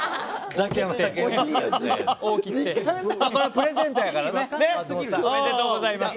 プレゼントやからね。